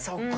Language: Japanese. そう。